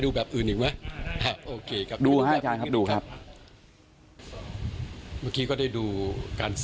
ไหนเนี่ยไปดูแบบอื่นอีกไหม